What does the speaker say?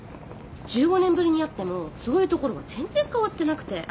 １５年ぶりに会ってもそういうところは全然変わってなくて。